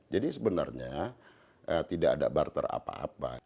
jadi sebenarnya tidak ada barter apa apa